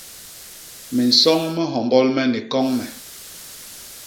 Minsoñ mi nhombol me ni koñ me.